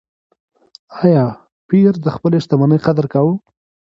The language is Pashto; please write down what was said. ایا پییر د خپلې شتمنۍ قدر کاوه؟